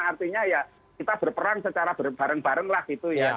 artinya ya kita berperang secara bareng bareng lah gitu ya